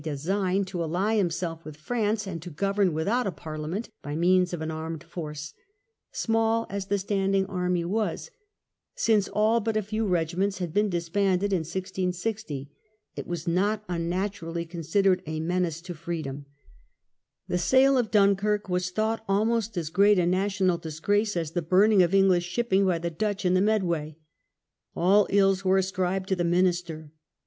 j^^^ ^ design to ally himself with France and to govern without a Parliament by means of armed force ; small as the standing army was, since all but a few regiments had been disbanded in 1660, it was not un naturally considered a menace to freedom; the sale of Dunkirk was thought almost as great a national disgrace as the burning of English shipping by the Dutch in the Medway. All ills were ascribed to the minister.